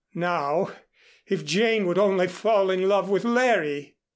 Now if Jane would only fall in love with Larry!"